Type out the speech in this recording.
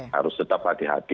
harus tetap hati hati